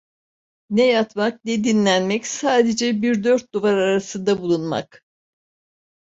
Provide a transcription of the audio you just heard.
Ne yatmak, ne dinlenmek, sadece bir dört duvar arasında bulunmak…